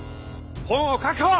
本を確保！